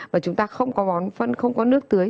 và chúng ta không có bón phân không có nước tưới